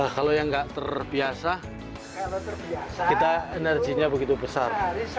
kalau yang nggak terbiasa kita energinya begitu besar